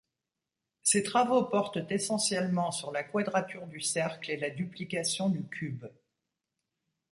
Ses travaux portent essentiellement sur la quadrature du cercle et la duplication du cube.